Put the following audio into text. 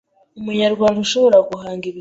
Umunyarwanda ushobora guhanga ibikorwa